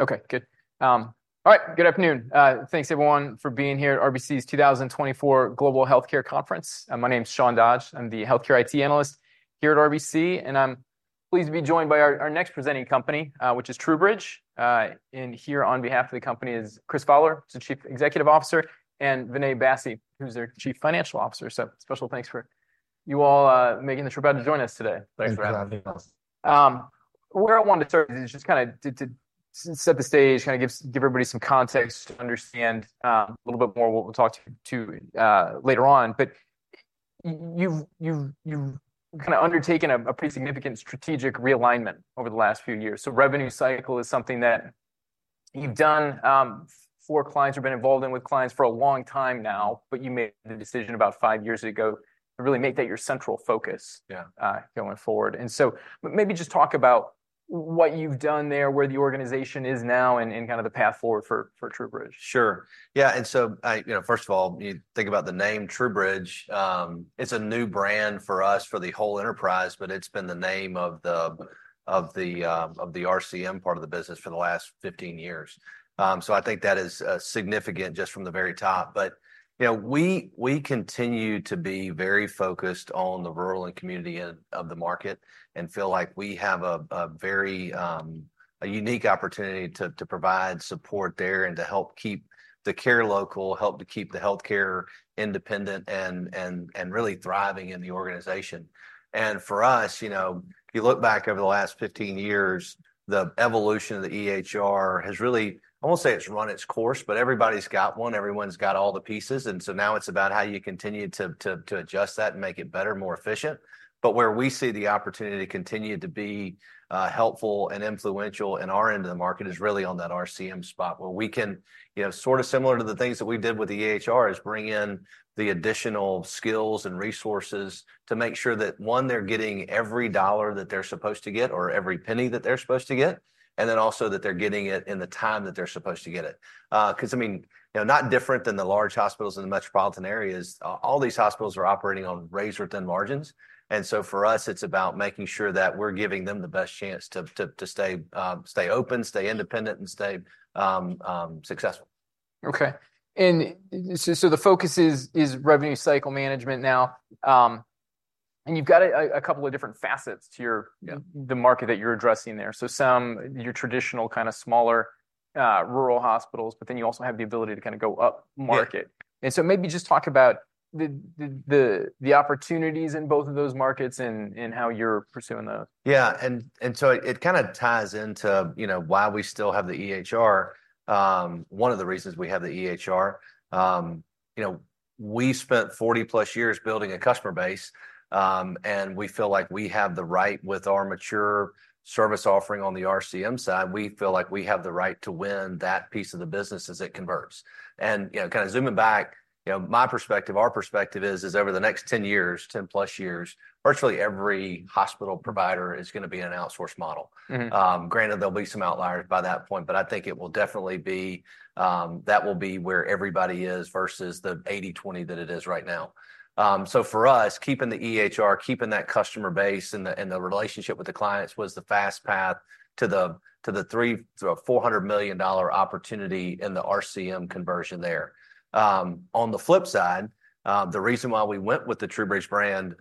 Okay, good. All right, good afternoon. Thanks everyone for being here at RBC's 2024 Global Healthcare Conference. My name's Sean Dodge. I'm the healthcare IT analyst here at RBC, and I'm pleased to be joined by our, our next presenting company, which is TruBridge. And here on behalf of the company is Chris Fowler, who's the Chief Executive Officer, and Vinay Bassi, who's their Chief Financial Officer. So special thanks for you all, making the trip out to join us today. Thanks for having us. Where I wanted to start is just kinda to set the stage, kinda give everybody some context to understand a little bit more what we'll talk to later on. But you've kinda undertaken a pretty significant strategic realignment over the last few years. So revenue cycle is something that you've done for clients, you've been involved in with clients for a long time now, but you made the decision about five years ago to really make that your central focus- Yeah... going forward. And so maybe just talk about what you've done there, where the organization is now, and kind of the path forward for TruBridge. Sure. Yeah, and so, I, you know, first of all, you think about the name TruBridge, it's a new brand for us for the whole enterprise, but it's been the name of the RCM part of the business for the last 15 years. So I think that is significant just from the very top. But, you know, we, we continue to be very focused on the rural and community of the market, and feel like we have a very unique opportunity to provide support there and to help keep the care local, help to keep the healthcare independent and really thriving in the organization. For us, you know, if you look back over the last 15 years, the evolution of the EHR has really, I won't say it's run its course, but everybody's got one, everyone's got all the pieces, and so now it's about how you continue to adjust that and make it better, more efficient. But where we see the opportunity to continue to be helpful and influential in our end of the market is really on that RCM spot, where we can, you know, sort of similar to the things that we did with the EHR, is bring in the additional skills and resources to make sure that, one, they're getting every dollar that they're supposed to get, or every penny that they're supposed to get, and then also that they're getting it in the time that they're supposed to get it. 'Cause I mean, you know, not different than the large hospitals in the metropolitan areas, all these hospitals are operating on razor-thin margins. So for us, it's about making sure that we're giving them the best chance to stay open, stay independent, and stay successful. Okay. So the focus is revenue cycle management now. And you've got a couple of different facets to your- Yeah... the market that you're addressing there. So some, your traditional, kind of smaller, rural hospitals, but then you also have the ability to kinda go upmarket. Yeah. And so maybe just talk about the opportunities in both of those markets and how you're pursuing those. Yeah, and so it kinda ties into, you know, why we still have the EHR. One of the reasons we have the EHR, you know, we spent 40+ years building a customer base, and we feel like we have the right with our mature service offering on the RCM side, we feel like we have the right to win that piece of the business as it converts. And, you know, kinda zooming back, you know, my perspective, our perspective is over the next 10 years, 10+ years, virtually every hospital provider is gonna be an outsourced model. Mm-hmm. Granted, there'll be some outliers by that point, but I think it will definitely be, that will be where everybody is versus the 80/20 that it is right now. So for us, keeping the EHR, keeping that customer base and the relationship with the clients was the fast path to a $300-$400 million opportunity in the RCM conversion there. On the flip side, the reason why we went with the TruBridge brand,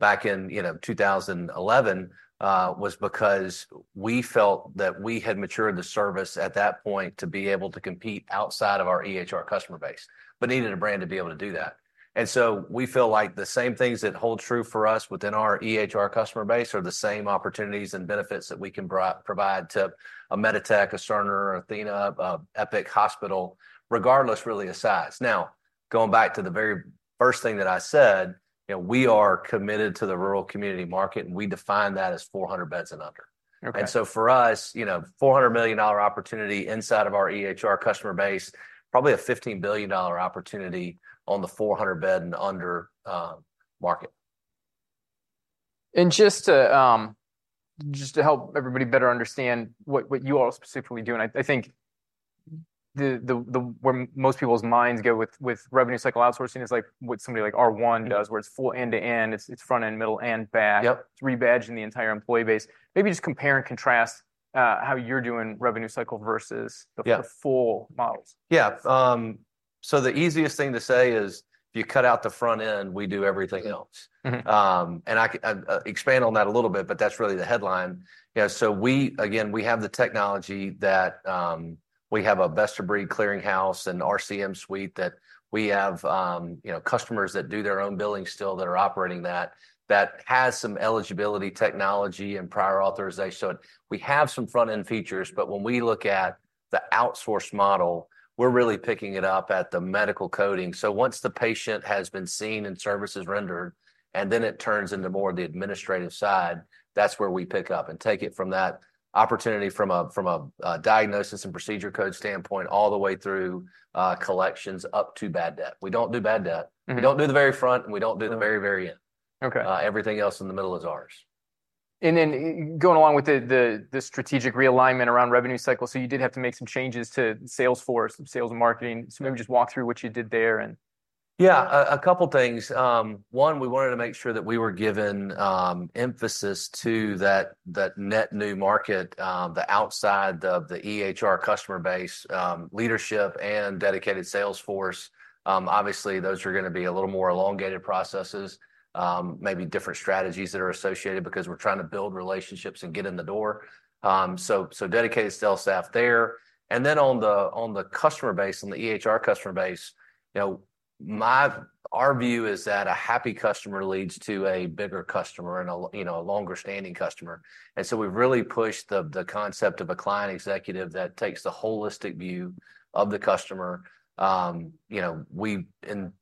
back in, you know, 2011, was because we felt that we had matured the service at that point to be able to compete outside of our EHR customer base, but needed a brand to be able to do that. So we feel like the same things that hold true for us within our EHR customer base are the same opportunities and benefits that we can provide to a Meditech, a Cerner, Athenahealth, Epic hospital, regardless, really, of size. Now, going back to the very first thing that I said, you know, we are committed to the rural community market, and we define that as 400 beds and under. Okay. And so for us, you know, $400 million opportunity inside of our EHR customer base, probably a $15 billion opportunity on the 400-bed and under market. Just to help everybody better understand what you all specifically do, and I think where most people's minds go with revenue cycle outsourcing is like what somebody like R1 does where it's full end-to-end, it's front end, middle, and back. Yep. Rebadge in the entire employee base. Maybe just compare and contrast how you're doing revenue cycle versus- Yeah... the full models. Yeah, so the easiest thing to say is, you cut out the front end, we do everything else. Mm-hmm. And I can expand on that a little bit, but that's really the headline. Yeah, so we again have the technology that we have a best-of-breed clearinghouse and RCM suite that we have, you know, customers that do their own billing still that are operating that, that has some eligibility technology and prior authorization. So we have some front-end features, but when we look at the outsource model, we're really picking it up at the medical coding. So once the patient has been seen and service is rendered, and then it turns into more of the administrative side, that's where we pick up and take it from that opportunity, from a diagnosis and procedure code standpoint, all the way through collections up to bad debt. We don't do bad debt. Mm-hmm. We don't do the very front, and we don't do the very, very end. Okay. Everything else in the middle is ours. And then, going along with the strategic realignment around revenue cycle, so you did have to make some changes to sales force and sales and marketing. So maybe just walk through what you did there and- Yeah, a couple things. One, we wanted to make sure that we were giving emphasis to that net new market, the outside of the EHR customer base, leadership and dedicated sales force. Obviously, those are gonna be a little more elongated processes, maybe different strategies that are associated because we're trying to build relationships and get in the door. So, dedicated sales staff there. And then on the customer base, on the EHR customer base, you know, our view is that a happy customer leads to a bigger customer and, you know, a longer-standing customer. And so we've really pushed the concept of a client executive that takes the holistic view of the customer. You know, we, in the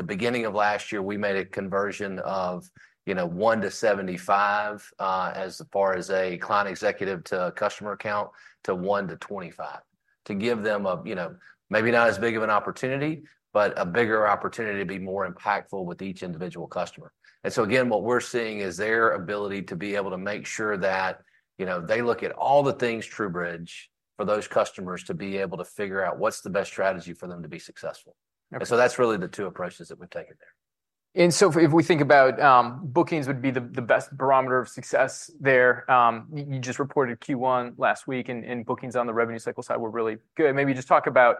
beginning of last year, we made a conversion of, you know, 1:75, as far as a client executive to a customer account, to 1:25, to give them a, you know, maybe not as big of an opportunity, but a bigger opportunity to be more impactful with each individual customer. And so again, what we're seeing is their ability to be able to make sure that, you know, they look at all the things TruBridge, for those customers to be able to figure out what's the best strategy for them to be successful. Okay. That's really the two approaches that we've taken there. So if we think about, bookings would be the best barometer of success there, you just reported Q1 last week, and bookings on the revenue cycle side were really good. Maybe just talk about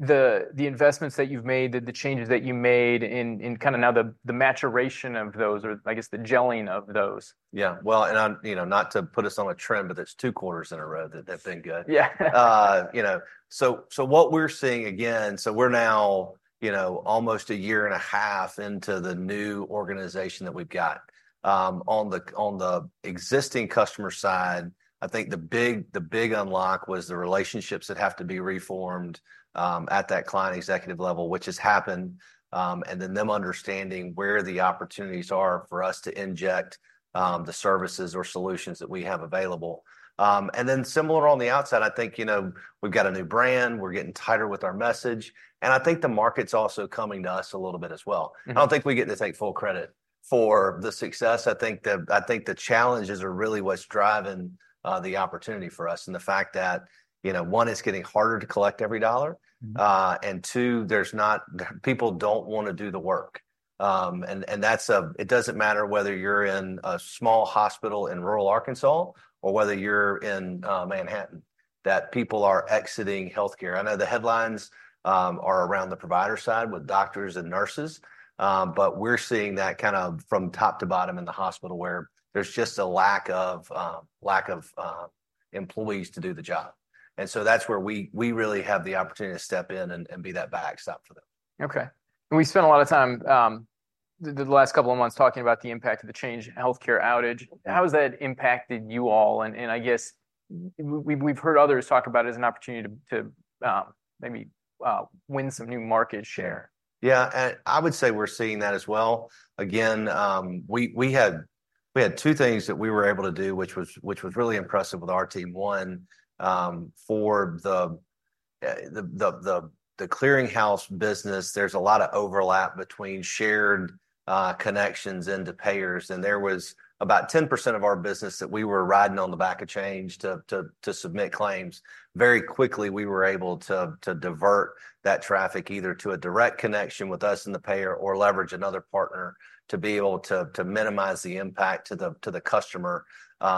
the investments that you've made, the changes that you made, and kind of now the maturation of those or, I guess, the gelling of those. Yeah. Well, and, and, you know, not to put us on a trend, but it's two quarters in a row that they've been good. Yeah. You know, so what we're seeing again, so we're now, you know, almost a year and a half into the new organization that we've got. On the existing customer side, I think the big unlock was the relationships that have to be reformed at that client executive level, which has happened. And then them understanding where the opportunities are for us to inject the services or solutions that we have available. And then similar on the outside, I think, you know, we've got a new brand, we're getting tighter with our message, and I think the market's also coming to us a little bit as well. Mm-hmm. I don't think we get to take full credit for the success. I think the challenges are really what's driving the opportunity for us, and the fact that, you know, one, it's getting harder to collect every dollar. Mm-hmm. And two, people don't wanna do the work. And that's it. It doesn't matter whether you're in a small hospital in rural Arkansas or whether you're in Manhattan, that people are exiting healthcare. I know the headlines are around the provider side with doctors and nurses, but we're seeing that kind of from top to bottom in the hospital, where there's just a lack of employees to do the job. And so that's where we really have the opportunity to step in and be that backstop for them. Okay. We spent a lot of time, the last couple of months talking about the impact of the Change Healthcare outage. How has that impacted you all? And I guess we've heard others talk about it as an opportunity to maybe win some new market share. Yeah, and I would say we're seeing that as well. Again, we had two things that we were able to do, which was really impressive with our team. One, for the clearinghouse business, there's a lot of overlap between shared connections into payers, and there was about 10% of our business that we were riding on the back of Change to submit claims. Very quickly, we were able to divert that traffic either to a direct connection with us and the payer or leverage another partner to be able to minimize the impact to the customer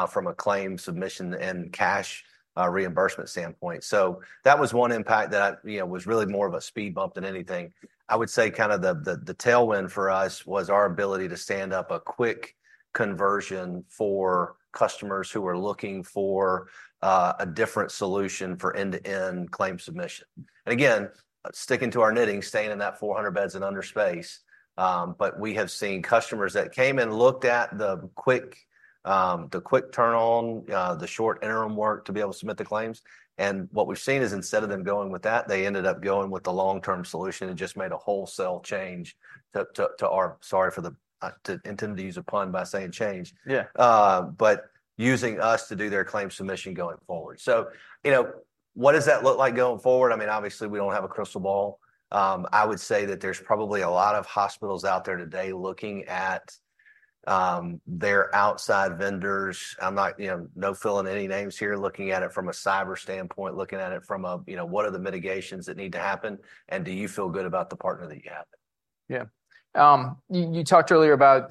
from a claims submission and cash reimbursement standpoint. So that was one impact that, you know, was really more of a speed bump than anything. I would say kind of the tailwind for us was our ability to stand up a quick conversion for customers who were looking for a different solution for end-to-end claim submission. And again, sticking to our knitting, staying in that 400 beds and under space. But we have seen customers that came and looked at the quick, the quick turn on, the short interim work to be able to submit the claims. And what we've seen is, instead of them going with that, they ended up going with the long-term solution and just made a wholesale change to, to, to our—Sorry for the unintended pun by saying, "Change. Yeah. But using us to do their claims submission going forward. So, you know, what does that look like going forward? I mean, obviously, we don't have a crystal ball. I would say that there's probably a lot of hospitals out there today looking at their outside vendors. I'm not naming any names here, looking at it from a cyber standpoint, looking at it from a, you know, what are the mitigations that need to happen, and do you feel good about the partner that you have? Yeah. You talked earlier about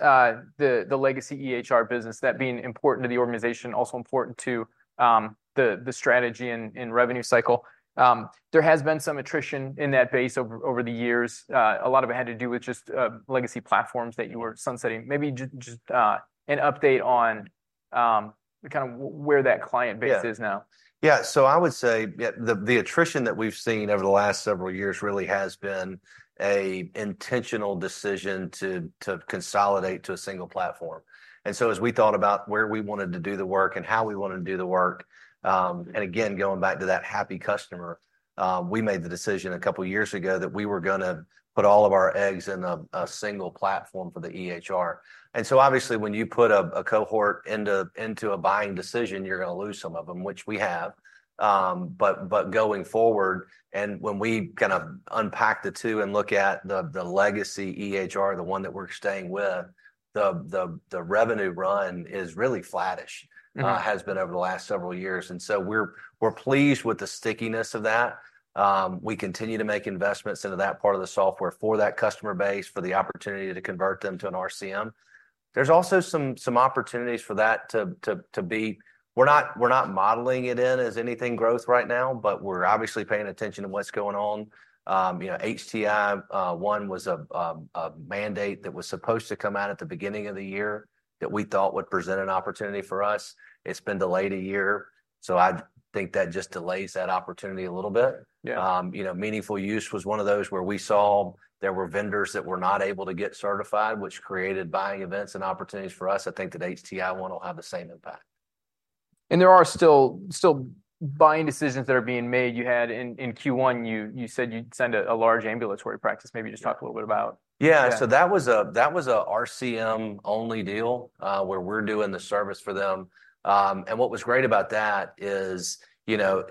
the legacy EHR business, that being important to the organization, also important to the strategy and revenue cycle. There has been some attrition in that base over the years. A lot of it had to do with just legacy platforms that you were sunsetting. Maybe just an update on kind of where that client base- Yeah - is now. Yeah, so I would say, yeah, the attrition that we've seen over the last several years really has been an intentional decision to consolidate to a single platform. And so as we thought about where we wanted to do the work and how we wanted to do the work, and again, going back to that happy customer, we made the decision a couple of years ago that we were gonna put all of our eggs in a single platform for the EHR. And so obviously, when you put a cohort into a buying decision, you're gonna lose some of them, which we have. But going forward, and when we kind of unpack the two and look at the legacy EHR, the one that we're staying with, the revenue run is really flattish- Mm-hmm ... has been over the last several years, and so we're pleased with the stickiness of that. We continue to make investments into that part of the software for that customer base, for the opportunity to convert them to an RCM. There's also some opportunities for that to be-- we're not modeling it in as anything growth right now, but we're obviously paying attention to what's going on. You know, HTI-1 was a mandate that was supposed to come out at the beginning of the year that we thought would present an opportunity for us. It's been delayed a year, so I think that just delays that opportunity a little bit. Yeah. You know, Meaningful Use was one of those where we saw there were vendors that were not able to get certified, which created buying events and opportunities for us. I think that HTI-1 will have the same impact. There are still buying decisions that are being made. You had in Q1, you said you'd signed a large ambulatory practice. Maybe just talk a little bit about that. Yeah, so that was a RCM-only deal, where we're doing the service for them. And what was great about that is, you know,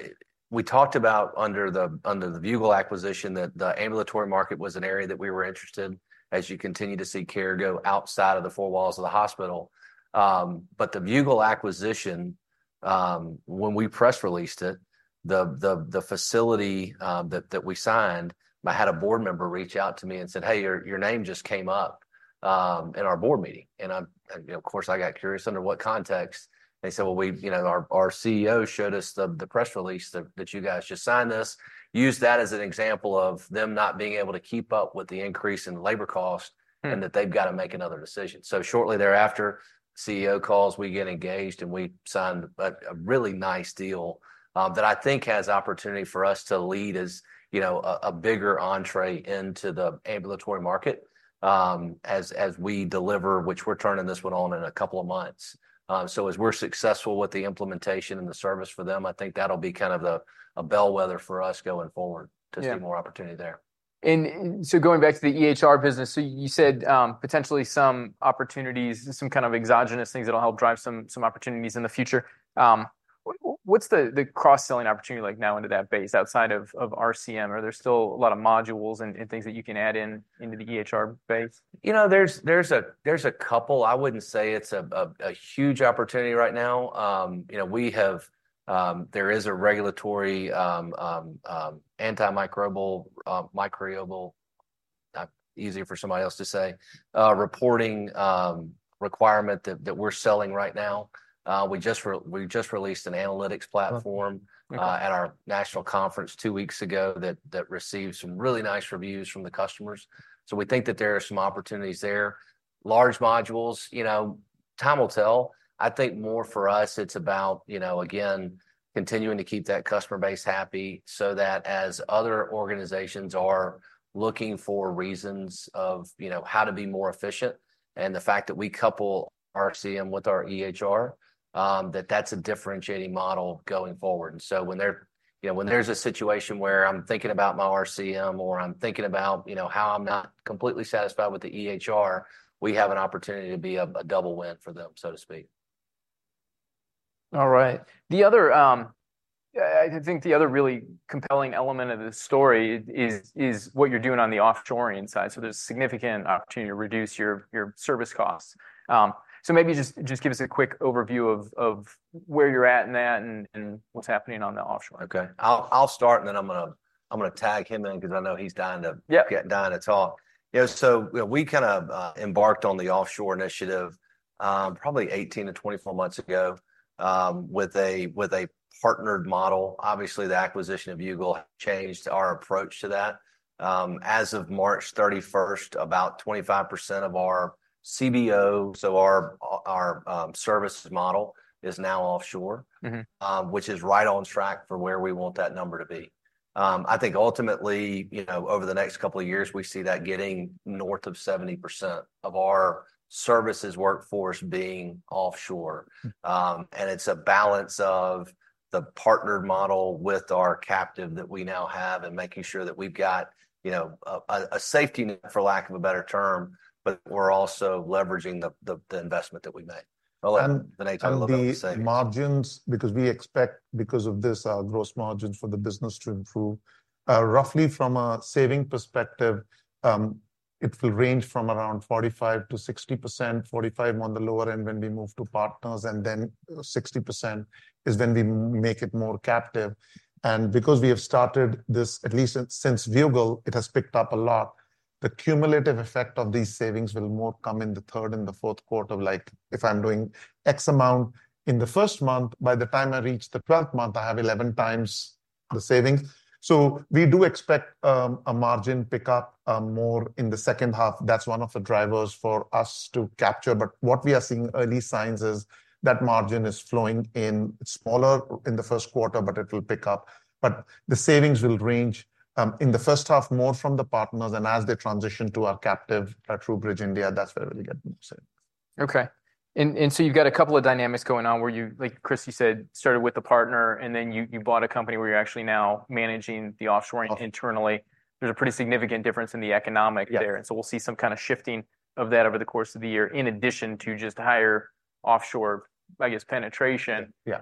we talked about under the Viewgol acquisition, that the ambulatory market was an area that we were interested in, as you continue to see care go outside of the four walls of the hospital. But the Viewgol acquisition, when we press released it, the facility that we signed, I had a board member reach out to me and said: "Hey, your name just came up in our board meeting." And I of course got curious under what context. They said, "Well, we, you know, our CEO showed us the press release that you guys just signed us." Used that as an example of them not being able to keep up with the increase in labor cost. Mm And that they've got to make another decision. So shortly thereafter, CEO calls, we get engaged, and we signed a really nice deal that I think has opportunity for us to lead as, you know, a bigger entree into the ambulatory market, as we deliver, which we're turning this one on in a couple of months. So as we're successful with the implementation and the service for them, I think that'll be kind of a bellwether for us going forward- Yeah... to see more opportunity there. Going back to the EHR business, so you said, potentially some opportunities, some kind of exogenous things that'll help drive some opportunities in the future. What's the cross-selling opportunity like now into that base outside of RCM? Are there still a lot of modules and things that you can add into the EHR base? You know, there's a couple. I wouldn't say it's a huge opportunity right now. You know, we have... there is a regulatory antimicrobial reporting requirement that we're selling right now. We just released an analytics platform- Mm-hmm... at our national conference two weeks ago that received some really nice reviews from the customers. So we think that there are some opportunities there. Large modules, you know, time will tell. I think more for us, it's about, you know, again, continuing to keep that customer base happy so that as other organizations are looking for reasons of, you know, how to be more efficient, and the fact that we couple RCM with our EHR, that that's a differentiating model going forward. And so when they're, you know, when there's a situation where I'm thinking about my RCM or I'm thinking about, you know, how I'm not completely satisfied with the EHR, we have an opportunity to be a double win for them, so to speak. All right. The other, I think the other really compelling element of this story is what you're doing on the offshoring side. So there's significant opportunity to reduce your service costs. So maybe just give us a quick overview of where you're at in that and what's happening on the offshore. Okay. I'll start, and then I'm gonna tag him in because I know he's dying to- Yeah... dying to talk. Yeah, so we kind of embarked on the offshore initiative, probably 18-24 months ago, with a partnered model. Obviously, the acquisition of Viewgol changed our approach to that. As of March 31st, about 25% of our CBO, so our service model, is now offshore. Mm-hmm Which is right on track for where we want that number to be. I think ultimately, you know, over the next couple of years, we see that getting north of 70% of our services workforce being offshore. Mm. And it's a balance of the partnered model with our captive that we now have and making sure that we've got, you know, a safety net, for lack of a better term, but we're also leveraging the investment that we made. I'll let Vinay talk a little bit the same- The margins, because we expect, because of this, our gross margins for the business to improve. Roughly from a saving perspective, it will range from around 45%-60%, 45% on the lower end when we move to partners, and then 60% is when we make it more captive. And because we have started this, at least since Viewgol, it has picked up a lot. The cumulative effect of these savings will more come in the third and the fourth quarter, like if I'm doing X amount in the first month, by the time I reach the twelfth month, I have 11 times the savings. So we do expect, a margin pick-up, more in the second half. That's one of the drivers for us to capture, but what we are seeing early signs is that margin is flowing in smaller in the first quarter, but it will pick up. But the savings will range in the first half, more from the partners, and as they transition to our captive at TruBridge India, that's where we'll get more savings. Okay. And so you've got a couple of dynamics going on where you, like Chris, you said, started with a partner, and then you bought a company where you're actually now managing the offshoring internally. There's a pretty significant difference in the economic there. Yeah. And so we'll see some kind of shifting of that over the course of the year, in addition to just higher offshore, I guess, penetration. Yeah.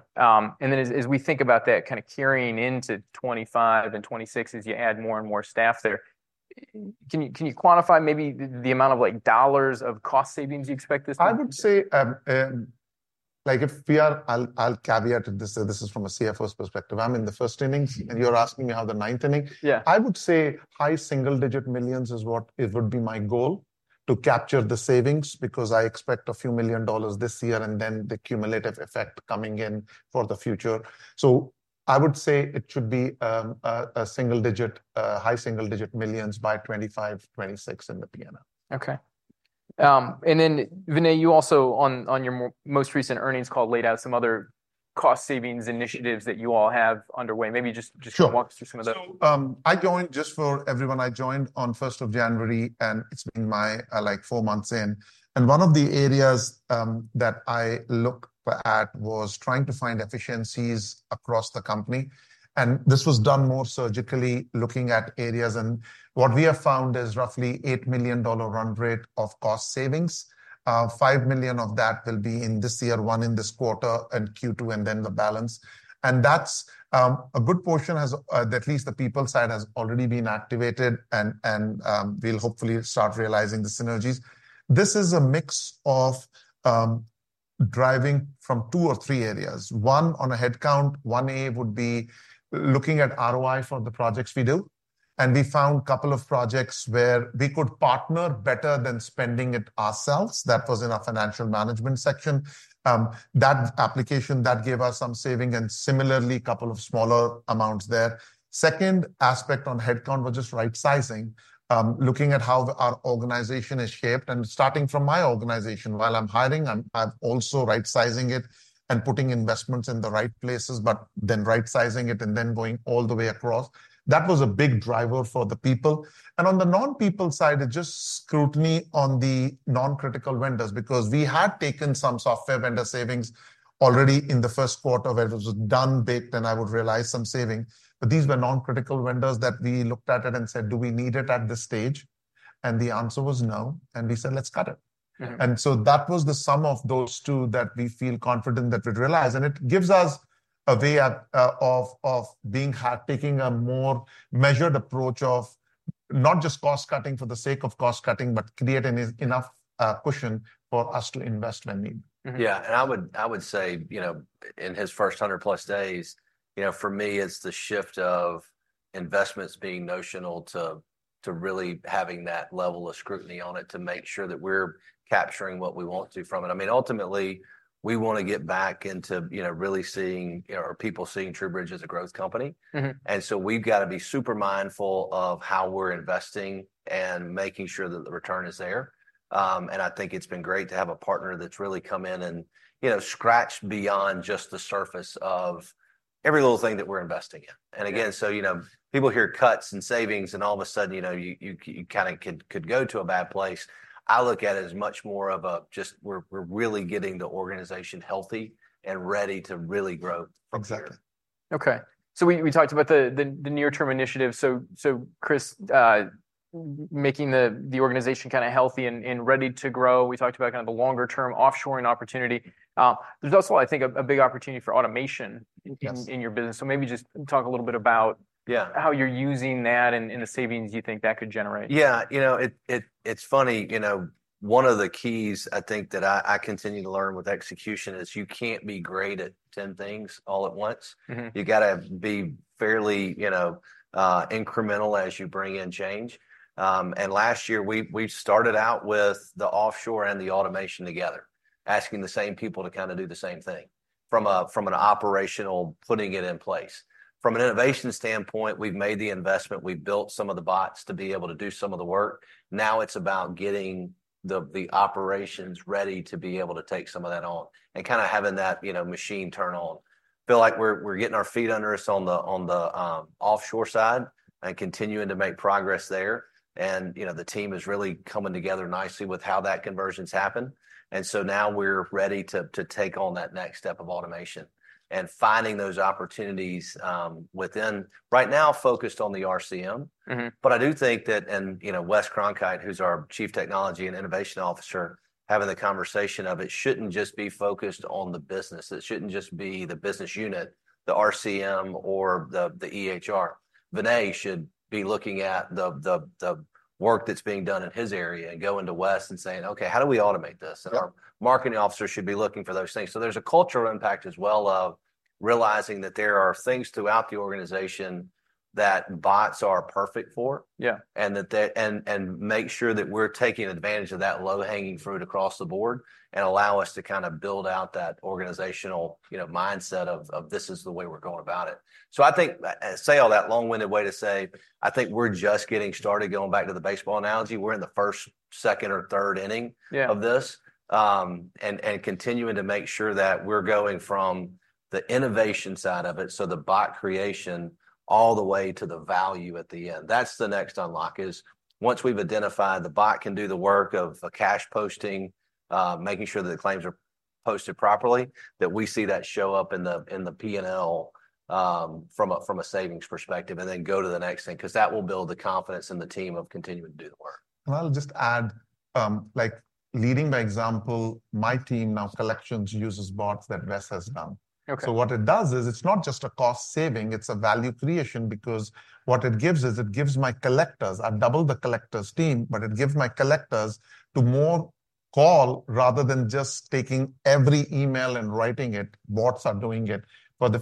Then as we think about that kind of carrying into 2025 and 2026, as you add more and more staff there, can you quantify maybe the amount of, like, dollars of cost savings you expect this? I would say, like if we are, I'll caveat this, this is from a CFO's perspective. I'm in the first innings, and you're asking me how the ninth inning? Yeah. I would say high single-digit millions is what it would be my goal to capture the savings, because I expect a few million dollar this year, and then the cumulative effect coming in for the future. So I would say it should be, a single digit, high single-digit millions by 2025, 2026 in the P&L. Okay. And then, Vinay, you also on your most recent earnings call, laid out some other cost savings initiatives that you all have underway. Maybe just- Sure... just walk us through some of them. So, I joined, just for everyone, I joined on 1st of January, and it's been my, like, four months in. And one of the areas that I looked at was trying to find efficiencies across the company, and this was done more surgically, looking at areas. And what we have found is roughly $8 million run rate of cost savings. Five million of that will be in this year, $1 million in this quarter and Q2, and then the balance. And that's a good portion, as at least the people side, has already been activated, and, and, we'll hopefully start realizing the synergies. This is a mix of driving from two or three areas. One, on a headcount, one, A, would be looking at ROI for the projects we do. We found a couple of projects where we could partner better than spending it ourselves. That was in our financial management section. That application that gave us some savings and similarly, couple of smaller amounts there. Second aspect on headcount was just right sizing, looking at how our organization is shaped. And starting from my organization, while I'm hiring, I'm also right sizing it and putting investments in the right places, but then right sizing it and then going all the way across. That was a big driver for the people. And on the non-people side, it's just scrutiny on the non-critical vendors, because we had taken some software vendor savings already in the first quarter, where it was done, booked, and I would realize some savings. But these were non-critical vendors that we looked at it and said: "Do we need it at this stage?" And the answer was no, and we said: "Let's cut it. Mm-hmm. And so that was the sum of those two that we feel confident that we'd realize, and it gives us a way of taking a more measured approach of not just cost cutting for the sake of cost cutting, but create an enough cushion for us to invest when needed. Mm-hmm. Yeah. And I would, I would say, you know, in his first 100+ days, you know, for me, it's the shift of investments being notional to, to really having that level of scrutiny on it to make sure that we're capturing what we want to from it. I mean, ultimately, we want to get back into, you know, really seeing, or people seeing TruBridge as a growth company. Mm-hmm. And so we've got to be super mindful of how we're investing and making sure that the return is there. And I think it's been great to have a partner that's really come in and, you know, scratched beyond just the surface of every little thing that we're investing in. Yeah. And again, so, you know, people hear cuts and savings, and all of a sudden, you know, you kind of could go to a bad place. I look at it as much more of a just we're really getting the organization healthy and ready to really grow. Exactly. Okay. So we talked about the near-term initiative. So, Chris, making the organization kind of healthy and ready to grow. We talked about kind of the longer-term offshoring opportunity. There's also, I think, a big opportunity for automation- Yes... in your business. So maybe just talk a little bit about- Yeah How you're using that and the savings you think that could generate? Yeah, you know, it’s funny, you know, one of the keys I think that I continue to learn with execution is you can’t be great at 10 things all at once. Mm-hmm. You got to be fairly, you know, incremental as you bring in change. And last year, we started out with the offshore and the automation together, asking the same people to kind of do the same thing, from an operational, putting it in place. From an innovation standpoint, we've made the investment. We've built some of the bots to be able to do some of the work. Now it's about getting the operations ready to be able to take some of that on and kind of having that, you know, machine turn on. Feel like we're getting our feet under us on the offshore side and continuing to make progress there. You know, the team is really coming together nicely with how that conversion's happened, and so now we're ready to take on that next step of automation and finding those opportunities within. Right now, focused on the RCM. Mm-hmm. I do think that, you know, Wes Cronkhite, who's our Chief Technology and Innovation Officer, having the conversation of it, shouldn't just be focused on the business. It shouldn't just be the business unit, the RCM or the EHR. Vinay should be looking at the work that's being done in his area and going to Wes and saying: "Okay, how do we automate this? Yeah. Our marketing officer should be looking for those things. There's a cultural impact as well, of realizing that there are things throughout the organization that bots are perfect for. Yeah And that and make sure that we're taking advantage of that low-hanging fruit across the board and allow us to kind of build out that organizational, you know, mindset of this is the way we're going about it. So I think, say all that long-winded way to say, I think we're just getting started. Going back to the baseball analogy, we're in the first, second, or third inning- Yeah... of this. Continuing to make sure that we're going from the innovation side of it, so the bot creation, all the way to the value at the end. That's the next unlock, is once we've identified the bot can do the work of a cash posting, making sure that the claims are posted properly, that we see that show up in the P&L, from a savings perspective, and then go to the next thing, 'cause that will build the confidence in the team of continuing to do the work. I'll just add, like, leading by example, my team now, collections, uses bots that Wes has done. Okay. So what it does is, it's not just a cost saving, it's a value creation. Because what it gives is, it gives my collectors, I've doubled the collectors team, but it gives my collectors to more call rather than just taking every email and writing it. Bots are doing it. For the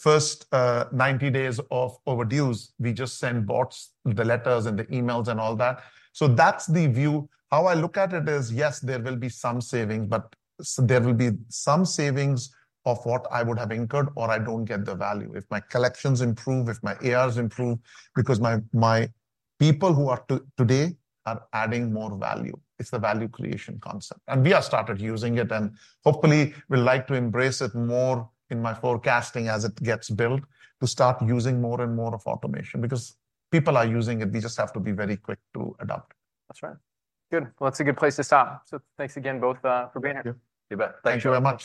first 90 days of overdues, we just send bots the letters and the emails and all that. So that's the view. How I look at it is, yes, there will be some savings, but there will be some savings of what I would have incurred, or I don't get the value. If my collections improve, if my ARs improve, because my people who are today are adding more value. It's the value creation concept. We have started using it, and hopefully, we'd like to embrace it more in my forecasting as it gets built, to start using more and more of automation, because people are using it. We just have to be very quick to adopt. That's right. Good. Well, that's a good place to stop. So thanks again, both, for being here. You bet. Thank you very much.